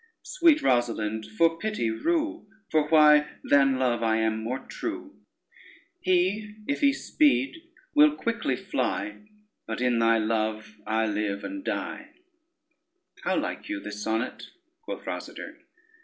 Sweet Rosalynde, for pity rue; For why, than Love I am more true: He, if he speed, will quickly fly, But in thy love I live and die. [Footnote 1: bathe.] "How like you this sonnet?" quoth Rosader.